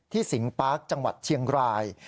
สิงปาร์คจังหวัดเชียงราย